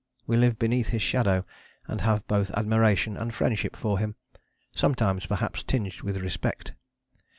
We live beneath his shadow and have both admiration and friendship for him, sometimes perhaps tinged with respect.